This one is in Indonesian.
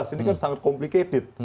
ini kan sangat komplikated